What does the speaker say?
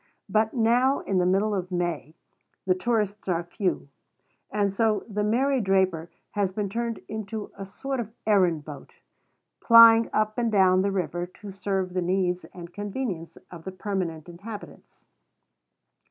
But now, in the middle of May, the tourists are few; and so "The Mary Draper" has been turned into a sort of errand boat, plying up and down the river to serve the needs and convenience of the permanent inhabitants.